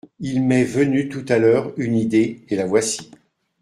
Il m'est venu tout à l'heure une idée, et la voici.